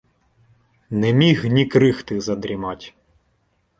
Не міг ні крихти задрімать.